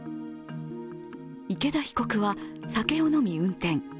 池田被告は酒を飲み運転。